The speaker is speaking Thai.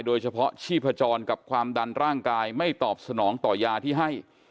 โดยเฉพาะชีพจรกับความดันร่างกายไม่ตอบสนองต่อยาที่ให้